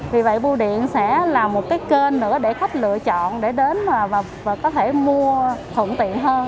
vì vậy bưu điện sẽ là một cái kênh nữa để khách lựa chọn để đến và có thể mua thuận tiện hơn